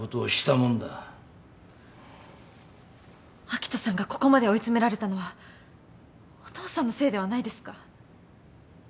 明人さんがここまで追い詰められたのはお父さんのせいではないですか？